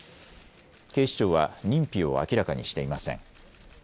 警視庁は認否を明らかにしていません。